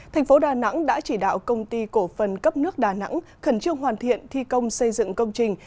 thành phố đà nẵng đã chỉ đạo công ty cổ phần cấp nước đà nẵng khẩn trương hoàn thiện thi công xây dựng công trình